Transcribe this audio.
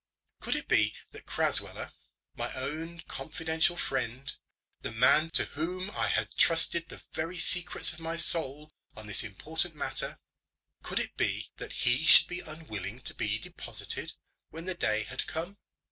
Could it be that Crasweller, my own confidential friend the man to whom I had trusted the very secrets of my soul on this important matter, could it be that he should be unwilling to be deposited when the day had come?